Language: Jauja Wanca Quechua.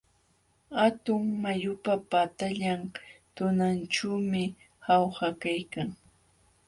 Hatun mayupa patallan tunanćhuumi Jauja kaykan.